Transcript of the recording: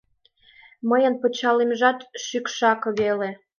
Мыйын пычалемжат шӱкшак веле.